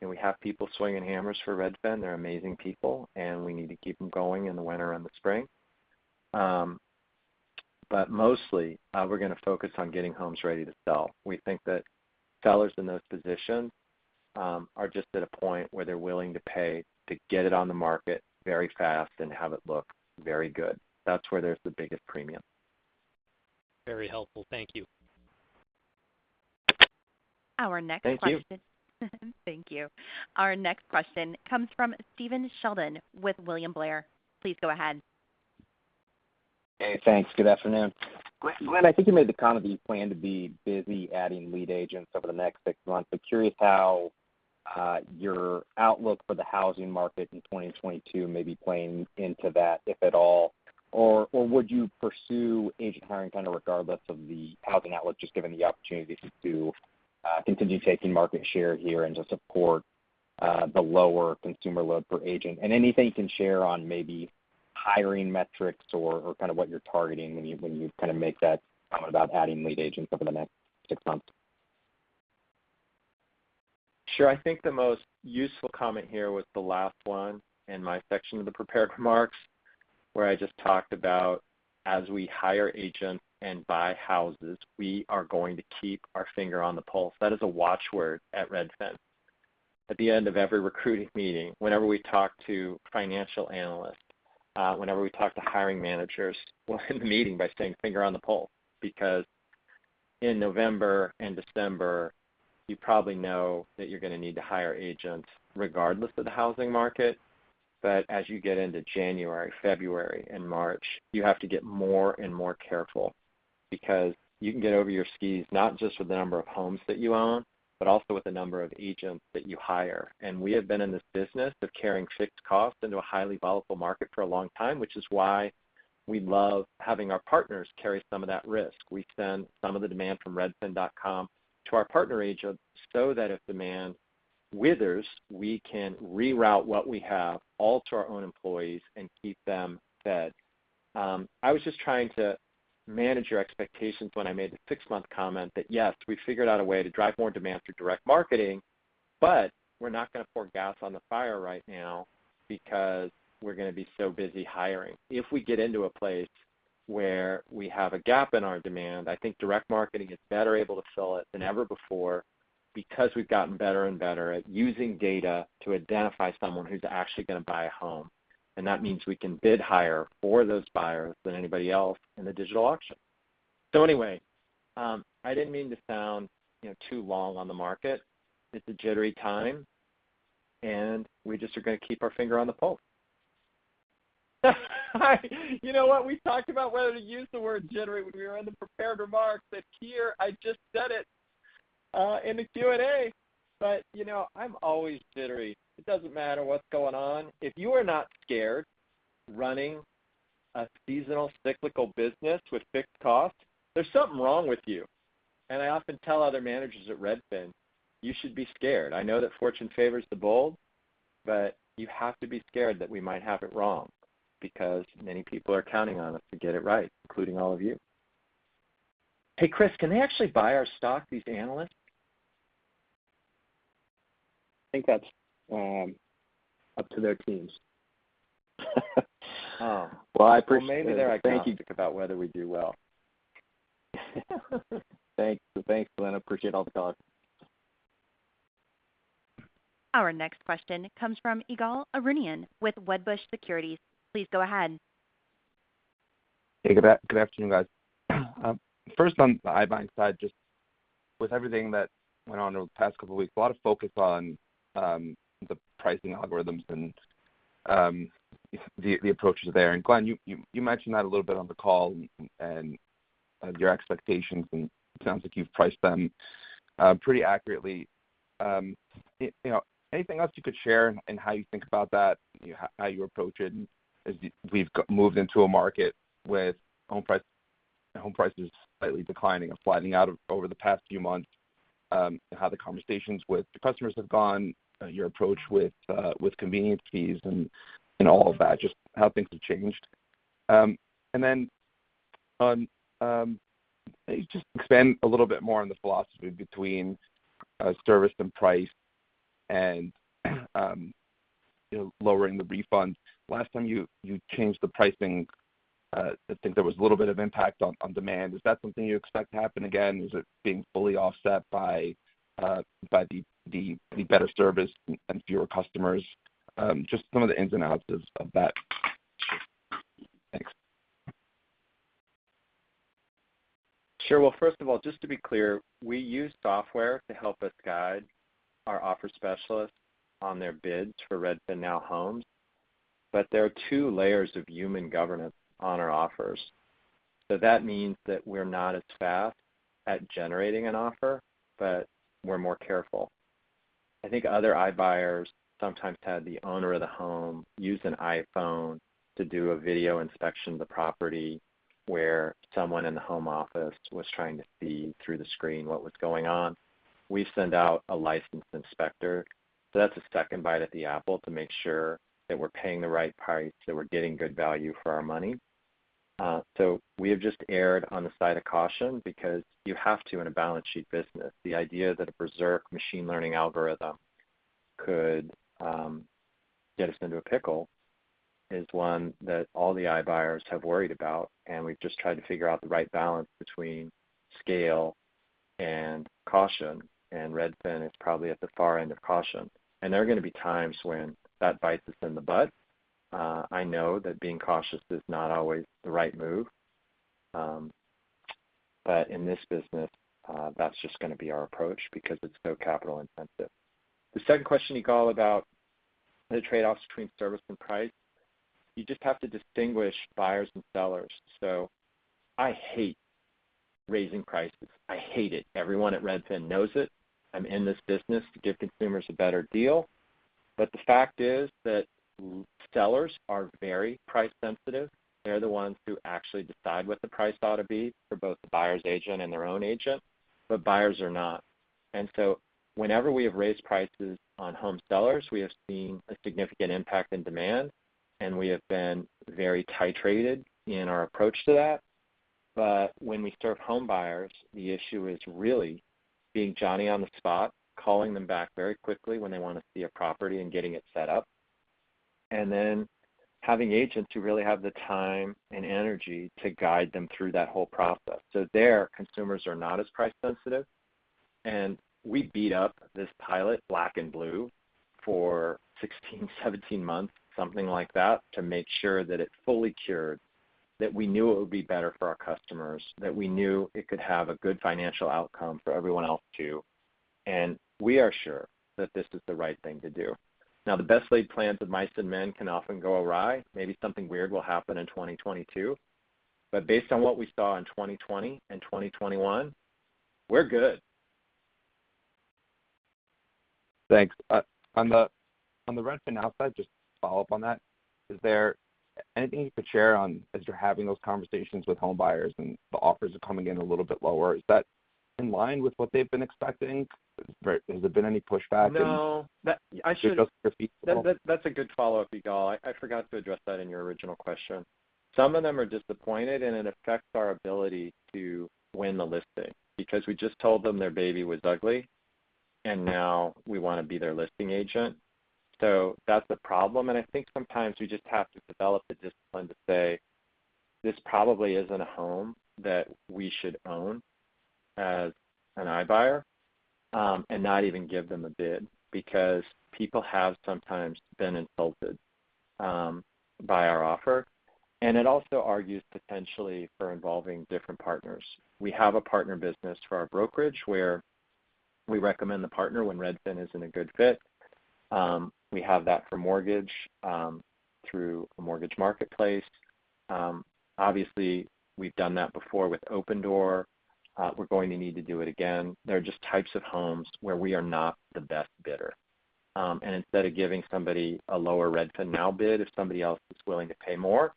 and we have people swinging hammers for Redfin. They're amazing people, and we need to keep them going in the winter and the spring. Mostly, we're going to focus on getting homes ready to sell. We think that sellers in those positions are just at a point where they're willing to pay to get it on the market very fast and have it look very good. That's where there's the biggest premium. Very helpful. Thank you. Our next question. Thank you. Thank you. Our next question comes from Stephen Sheldon with William Blair. Please go ahead. Hey, thanks. Good afternoon. Glenn, I think you made the comment that you plan to be busy adding lead agents over the next six months. I'm curious how your outlook for the housing market in 2022 may be playing into that, if at all. Or would you pursue agent hiring kind of regardless of the housing outlook, just given the opportunity to continue taking market share here and to support the lower consumer load per agent? Anything you can share on maybe hiring metrics or kind of what you're targeting when you kind of make that comment about adding lead agents over the next six months. Sure. I think the most useful comment here was the last one in my section of the prepared remarks, where I just talked about as we hire agents and buy houses, we are going to keep our finger on the pulse. That is a watchword at Redfin. At the end of every recruiting meeting, whenever we talk to financial analysts, whenever we talk to hiring managers, we'll end the meeting by saying, Finger on the pulse. Because in November and December, you probably know that you're going to need to hire agents regardless of the housing market. As you get into January, February, and March, you have to get more and more careful because you can get over your skis, not just with the number of homes that you own, but also with the number of agents that you hire. We have been in this business of carrying fixed costs into a highly volatile market for a long time, which is why we love having our partners carry some of that risk. We send some of the demand from redfin.com to our partner agents so that if demand withers, we can reroute what we have all to our own employees and keep them fed. I was just trying to manage your expectations when I made the six-month comment that yes, we figured out a way to drive more demand through direct marketing, but we're not gonna pour gas on the fire right now because we're gonna be so busy hiring. If we get into a place where we have a gap in our demand, I think direct marketing is better able to fill it than ever before because we've gotten better and better at using data to identify someone who's actually gonna buy a home. That means we can bid higher for those buyers than anybody else in the digital auction. Anyway, I didn't mean to sound, you know, too long on the market. It's a jittery time, and we just are gonna keep our finger on the pulse. You know what? We talked about whether to use the word jittery when we were in the prepared remarks. Here, I just said it in the Q&A. You know, I'm always jittery. It doesn't matter what's going on. If you are not scared running a seasonal cyclical business with fixed costs, there's something wrong with you. I often tell other managers at Redfin, You should be scared. I know that fortune favors the bold, but you have to be scared that we might have it wrong because many people are counting on us to get it right, including all of you. Hey, Chris, can they actually buy our stock, these analysts? I think that's up to their teams. Oh. Well, maybe they're not allowed. Thank you about whether we do well. Thanks. Thanks, Glenn. Appreciate all the color. Our next question comes from Ygal Arounian with Wedbush Securities. Please go ahead. Hey, good afternoon, guys. First on the iBuying side, just with everything that went on over the past couple of weeks, a lot of focus on the pricing algorithms and the approaches there. Glenn, you mentioned that a little bit on the call and your expectations, and it sounds like you've priced them pretty accurately. You know, anything else you could share in how you think about that, you know, how you approach it as we've moved into a market with home prices slightly declining or flattening out over the past few months, how the conversations with the customers have gone, your approach with convenience fees and all of that, just how things have changed. Just expand a little bit more on the philosophy between service and price and, you know, lowering the refund. Last time you changed the pricing, I think there was a little bit of impact on demand. Is that something you expect to happen again? Is it being fully offset by the better service and fewer customers? Just some of the ins and outs of that. Thanks. Sure. Well, first of all, just to be clear, we use software to help us guide our offer specialists on their bids for Redfin Now, but there are two layers of human governance on our offers. That means that we're not as fast at generating an offer, but we're more careful. I think other iBuyers sometimes had the owner of the home use an iPhone to do a video inspection of the property, where someone in the home office was trying to see through the screen what was going on. We send out a licensed inspector, so that's a second bite at the apple to make sure that we're paying the right price, that we're getting good value for our money. We have just erred on the side of caution because you have to in a balance sheet business. The idea that a berserk machine learning algorithm could get us into a pickle is one that all the iBuyers have worried about, and we've just tried to figure out the right balance between scale and caution. Redfin is probably at the far end of caution. There are gonna be times when that bites us in the butt. I know that being cautious is not always the right move. But in this business, that's just gonna be our approach because it's so capital intensive. The second question, Ygal, about the trade-offs between service and price. You just have to distinguish buyers and sellers. I hate raising prices. I hate it. Everyone at Redfin knows it. I'm in this business to give consumers a better deal. But the fact is that sellers are very price sensitive. They're the ones who actually decide what the price ought to be for both the buyer's agent and their own agent, but buyers are not. Whenever we have raised prices on home sellers, we have seen a significant impact in demand, and we have been very titrated in our approach to that. When we serve home buyers, the issue is really being Johnny-on-the-spot, calling them back very quickly when they wanna see a property and getting it set up, and then having agents who really have the time and energy to guide them through that whole process. There, consumers are not as price sensitive. We beat up this pilot black and blue for 16, 17 months, something like that, to make sure that it fully cured, that we knew it would be better for our customers, that we knew it could have a good financial outcome for everyone else too. We are sure that this is the right thing to do. Now, the best laid plans of mice and men can often go awry. Maybe something weird will happen in 2022. Based on what we saw in 2020 and 2021, we're good. Thanks. On the Redfin Now side, just to follow up on that, is there anything you could share on as you're having those conversations with home buyers and the offers are coming in a little bit lower? Is that- In line with what they've been expecting? Or has there been any pushback and No. Is it just feasible? That's a good follow-up, Ygal. I forgot to address that in your original question. Some of them are disappointed, and it affects our ability to win the listing because we just told them their baby was ugly, and now we wanna be their listing agent. That's a problem. I think sometimes we just have to develop the discipline to say, "This probably isn't a home that we should own as an iBuyer," and not even give them a bid because people have sometimes been insulted by our offer. It also argues potentially for involving different partners. We have a partner business for our Brokerage, where we recommend the partner when Redfin isn't a good fit. We have that for Mortgage through a Mortgage marketplace. Obviously, we've done that before with Opendoor. We're going to need to do it again. There are just types of homes where we are not the best bidder. Instead of giving somebody a lower Redfin Now bid, if somebody else is willing to pay more,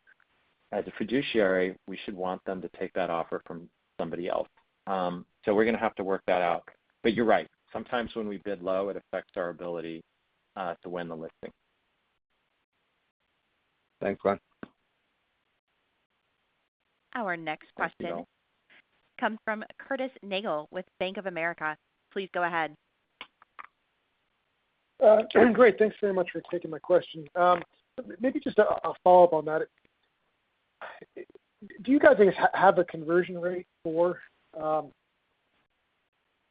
as a fiduciary, we should want them to take that offer from somebody else. We're gonna have to work that out. You're right. Sometimes when we bid low, it affects our ability to win the listing. Thanks, Glenn. Our next question. Thanks, Ygal.... comes from Curtis Nagle with Bank of America. Please go ahead. Great. Thanks very much for taking my question. Maybe just a follow-up on that. Do you guys have a conversion rate for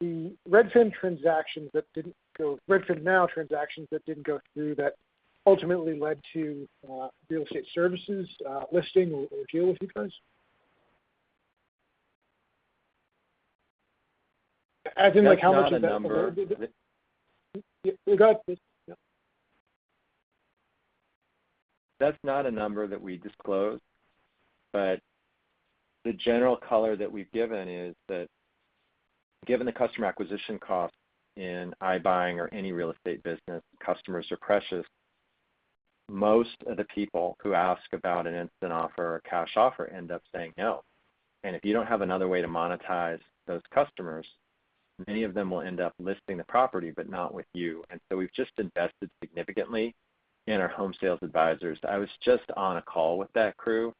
the Redfin Now transactions that didn't go through that ultimately led to Real Estate Services, listing or deal with you guys? As in like how much of that- That's not a number that- You got this? Yeah. That's not a number that we disclose. The general color that we've given is that given the customer acquisition cost in iBuying or any real estate business, customers are precious. Most of the people who ask about an instant offer or cash offer end up saying no. If you don't have another way to monetize those customers, many of them will end up listing the property, but not with you. We've just invested significantly in our home sales advisors. I was just on a call with that crew,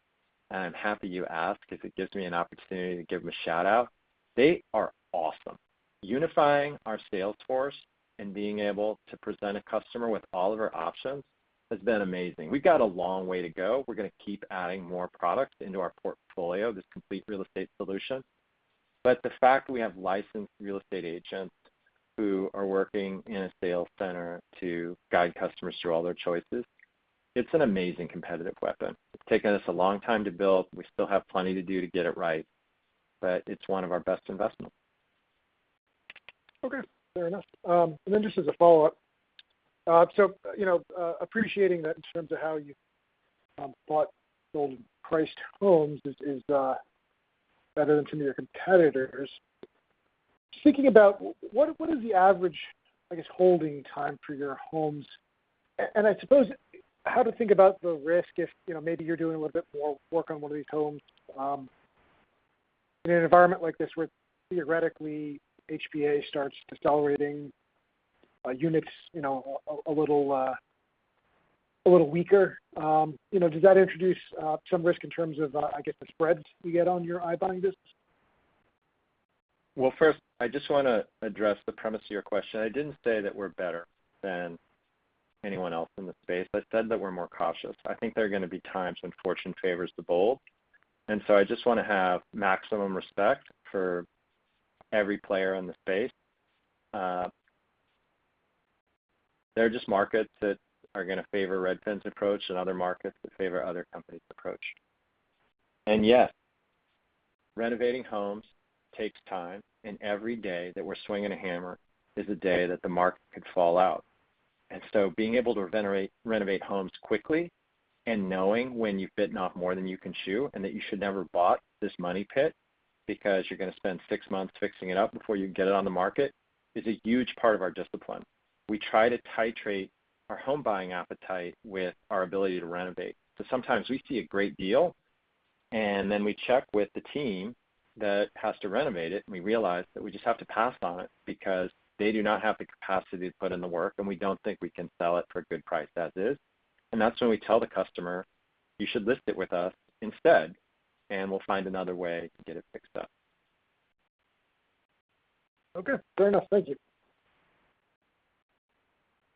and I'm happy you asked because it gives me an opportunity to give them a shout-out. They are awesome. Unifying our sales force and being able to present a customer with all of our options has been amazing. We've got a long way to go. We're gonna keep adding more products into our portfolio, this complete real estate solution. The fact that we have licensed real estate agents who are working in a sales center to guide customers through all their choices, it's an amazing competitive weapon. It's taken us a long time to build. We still have plenty to do to get it right, but it's one of our best investments. Okay. Fair enough. Just as a follow-up. You know, appreciating that in terms of how you bought, sold, and priced homes is better than some of your competitors. Thinking about what is the average, I guess, holding time for your homes? I suppose how to think about the risk if, you know, maybe you're doing a little bit more work on one of these homes, in an environment like this where theoretically HPA starts decelerating, units, you know, a little weaker. You know, does that introduce some risk in terms of, I guess, the spreads you get on your iBuying business? Well, first, I just wanna address the premise of your question. I didn't say that we're better than anyone else in the space. I said that we're more cautious. I think there are gonna be times when fortune favors the bold. I just wanna have maximum respect for every player in the space. There are just markets that are gonna favor Redfin's approach and other markets that favor other companies' approach. Yes, renovating homes takes time, and every day that we're swinging a hammer is a day that the market could fall out. Being able to renovate homes quickly and knowing when you've bitten off more than you can chew and that you should never bought this money pit because you're gonna spend six months fixing it up before you get it on the market is a huge part of our discipline. We try to titrate our home buying appetite with our ability to renovate. Sometimes we see a great deal, and then we check with the team that has to renovate it, and we realize that we just have to pass on it because they do not have the capacity to put in the work, and we don't think we can sell it for a good price as is. That's when we tell the customer, You should list it with us instead, and we'll find another way to get it fixed up. Okay. Fair enough. Thank you.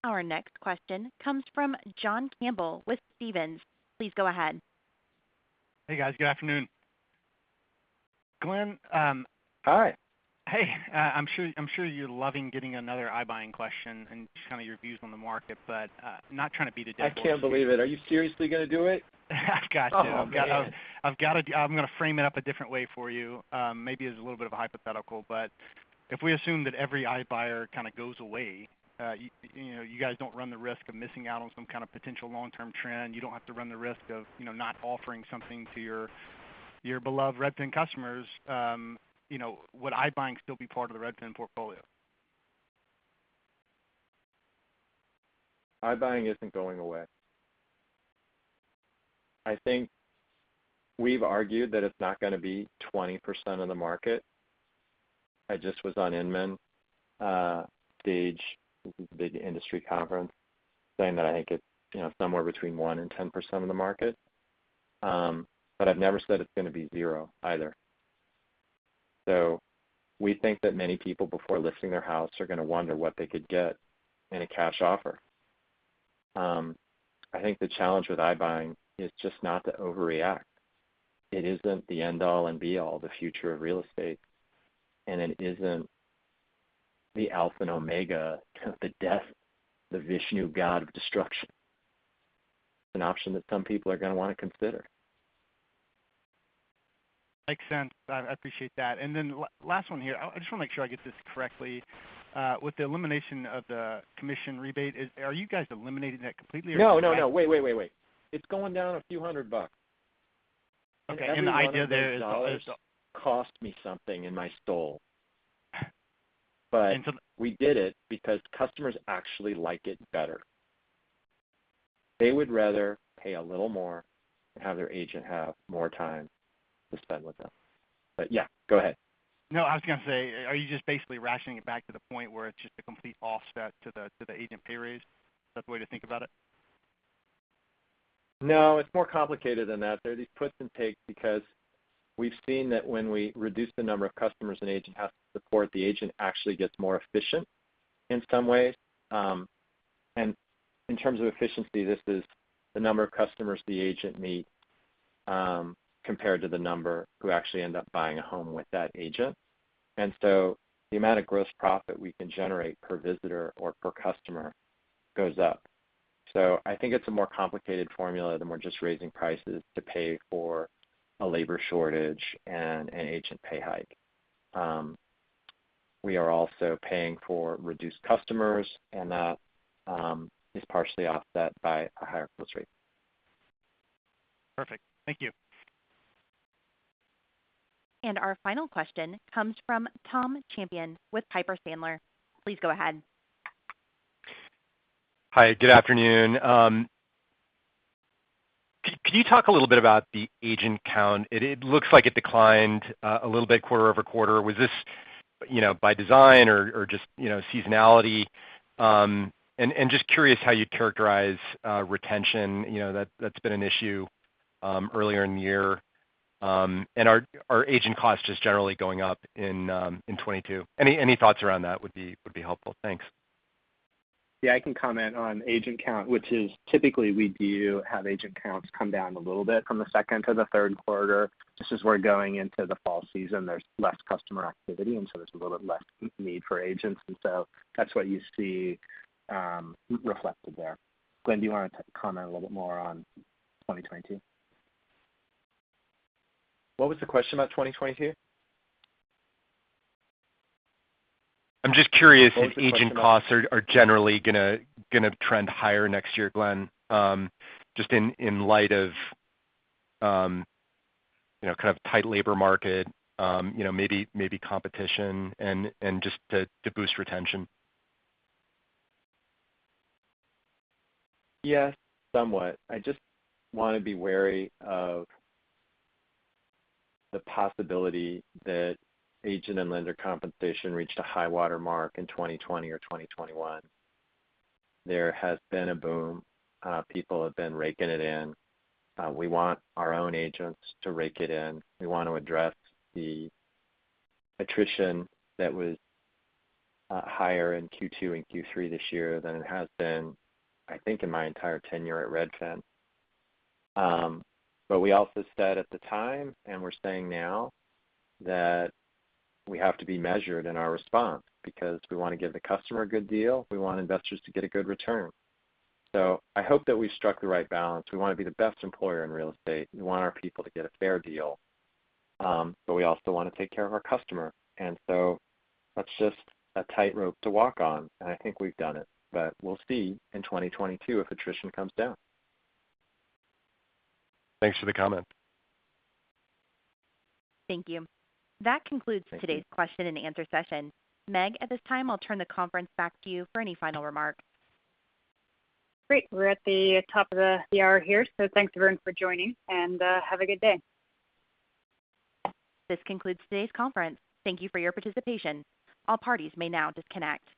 Our next question comes from John Campbell with Stephens. Please go ahead. Hey, guys. Good afternoon. Glenn, Hi. Hey. I'm sure you're loving getting another iBuying question and just kinda your views on the market, but not trying to beat a dead horse. I can't believe it. Are you seriously gonna do it? I've got to. Oh, man. I'm gonna frame it up a different way for you, maybe as a little bit of a hypothetical. If we assume that every iBuyer kind of goes away, you know, you guys don't run the risk of missing out on some kind of potential long-term trend. You don't have to run the risk of, you know, not offering something to your beloved Redfin customers. You know, would iBuying still be part of the Redfin portfolio? iBuying isn't going away. I think we've argued that it's not gonna be 20% of the market. I just was on Inman stage, the industry conference, saying that I think it's, you know, somewhere between 1% and 10% of the market. I've never said it's gonna be zero either. We think that many people before listing their house are gonna wonder what they could get in a cash offer. I think the challenge with iBuying is just not to overreact. It isn't the end all and be all the future of real estate, and it isn't the alpha and omega, the death, the Vishnu god of destruction. It's an option that some people are gonna wanna consider. Makes sense. I appreciate that. Then last one here. I just wanna make sure I get this correctly. With the elimination of the commission rebate, are you guys eliminating that completely or No. Wait. It's going down a few hundred bucks. Okay. The idea there is. Cost me something in my soul. We did it because customers actually like it better. They would rather pay a little more and have their agent have more time to spend with them. Yeah, go ahead. No, I was gonna say, are you just basically rationing it back to the point where it's just a complete offset to the agent pay raise? Is that the way to think about it? No, it's more complicated than that. There are these puts and takes because we've seen that when we reduce the number of customers an agent has to support, the agent actually gets more efficient in some ways. In terms of efficiency, this is the number of customers the agent meets, compared to the number who actually end up buying a home with that agent. The amount of gross profit we can generate per visitor or per customer goes up. I think it's a more complicated formula than we're just raising prices to pay for a labor shortage and an agent pay hike. We are also paying for reduced customers, and that is partially offset by a higher close rate. Perfect. Thank you. Our final question comes from Tom Champion with Piper Sandler. Please go ahead. Hi, good afternoon. Could you talk a little bit about the agent count? It looks like it declined a little bit quarter-over-quarter. Was this, you know, by design or just, you know, seasonality? Just curious how you characterize retention, you know, that's been an issue earlier in the year. Are agent costs just generally going up in 2022? Any thoughts around that would be helpful. Thanks. Yeah, I can comment on agent count, which is typically we do have agent counts come down a little bit from the second to the third quarter. Just as we're going into the fall season, there's less customer activity, and so there's a little bit less need for agents. That's what you see reflected there. Glenn, do you wanna comment a little bit more on 2022? What was the question about 2022? I'm just curious if agent costs are generally gonna trend higher next year, Glenn, just in light of you know kind of tight labor market you know maybe competition and just to boost retention. Yes, somewhat. I just wanna be wary of the possibility that agent and lender compensation reached a high water mark in 2020 or 2021. There has been a boom. People have been raking it in. We want our own agents to rake it in. We want to address the attrition that was higher in Q2 and Q3 this year than it has been, I think, in my entire tenure at Redfin. We also said at the time, and we're saying now, that we have to be measured in our response because we wanna give the customer a good deal, we want investors to get a good return. I hope that we struck the right balance. We wanna be the best employer in real estate. We want our people to get a fair deal, but we also wanna take care of our customer. That's just a tightrope to walk on, and I think we've done it. We'll see in 2022 if attrition comes down. Thanks for the comment. Thank you. That concludes. Thank you. That concludes today's question-and-answer session. Meg, at this time, I'll turn the conference back to you for any final remarks. Great. We're at the top of the hour here, so thanks everyone for joining, and have a good day. This concludes today's conference. Thank you for your participation. All parties may now disconnect.